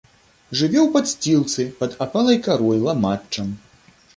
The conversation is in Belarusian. Жыве ў падсцілцы, пад апалай карой, ламаччам.